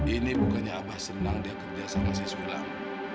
ini bukannya abah senang dia kerja sama si sulang